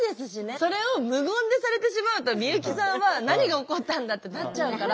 それを無言でされてしまうと美由紀さんは何が起こったんだってなっちゃうから。